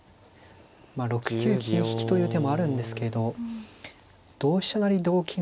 まあ６九金引という手もあるんですけど同飛車成同金